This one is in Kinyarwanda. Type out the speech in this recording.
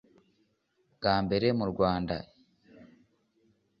Bwa mbere mu Rwanda